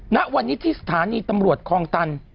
ณวันนี้ที่สถานีตำรวจคลองตัน